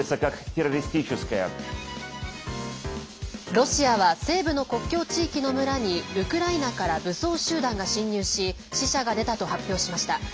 ロシアは西部の国境地域の村にウクライナから武装集団が侵入し死者が出たと発表しました。